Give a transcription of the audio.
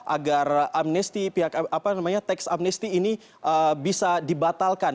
agar teks amnesti ini bisa dibatalkan